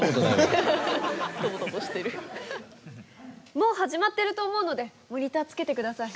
もう始まってると思うのでモニターつけてください。